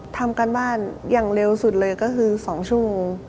ทำการบ้านอย่างเร็วสุดเลยก็คือ๒ชั่วโมง